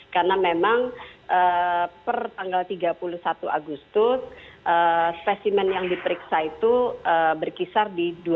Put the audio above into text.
karena memang per tanggal tiga puluh satu agustus spesimen yang diperiksa itu berkisar di